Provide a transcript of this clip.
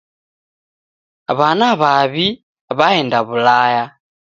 W'ana w'aw'i w'aenda w'ulaya.